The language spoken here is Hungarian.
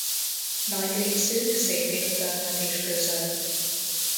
Nagy részük szépirodalmat is közölt.